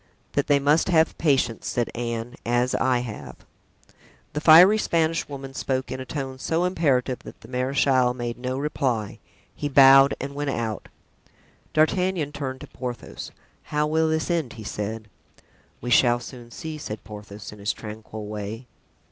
"That they must have patience," said Anne, "as I have." The fiery Spanish woman spoke in a tone so imperative that the marechal made no reply; he bowed and went out. (D'Artagnan turned to Porthos. "How will this end?" he said. "We shall soon see," said Porthos, in his tranquil way.)